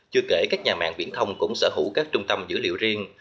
chưa kể các nhà mạng viễn thông cũng sở hữu các trung tâm dữ liệu riêng